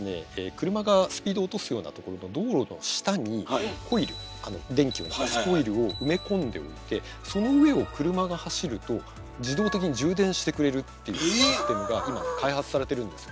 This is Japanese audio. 車がスピード落とすようなところの道路の下にコイル電気を出すコイルを埋め込んでおいてその上を車が走ると自動的に充電してくれるっていうシステムが今開発されてるんですよ。